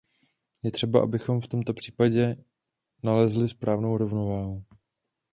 Je třeba, abychom v tomto případě nalezli správnou rovnováhu.